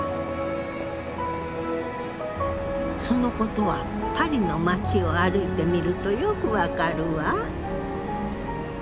そのことはパリの街を歩いてみるとよく分かるわ。